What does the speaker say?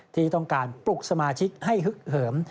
ที่ต้องการปลุกสมาชิกให้ฮึกเหิม